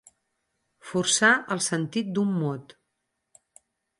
Forçar el sentit d'un mot.